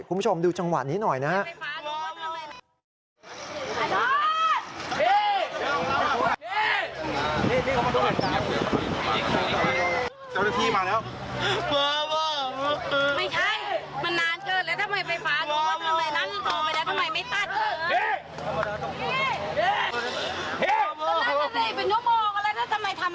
คุณผู้ชมดูจังหวะนี้หน่อยนะครับ